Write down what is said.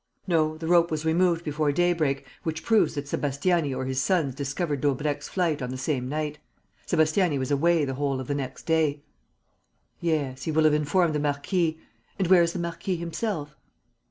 "No, the rope was removed before daybreak, which proves that Sébastiani or his sons discovered Daubrecq's flight on the same night. Sébastiani was away the whole of the next day." "Yes, he will have informed the marquis. And where is the marquis himself?"